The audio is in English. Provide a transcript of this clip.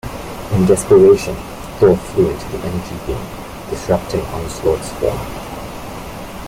In desperation, Thor flew into the energy being, disrupting Onslaught's form.